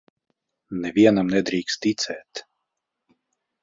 Nevienam nedrīkst ticēt.